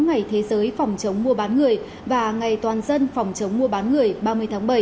ngày thế giới phòng chống mua bán người và ngày toàn dân phòng chống mua bán người ba mươi tháng bảy